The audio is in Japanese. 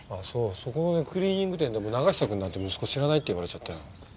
そこのねクリーニング店でも永久くんなんて息子知らないって言われちゃったよ。